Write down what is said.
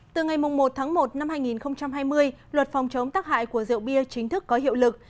từ ngày một tháng một năm hai nghìn hai mươi luật phòng chống tác hại của rượu bia chính thức có hiệu lực